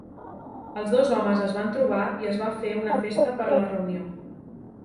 Els dos homes es van trobar i es va fer una festa per la reunió.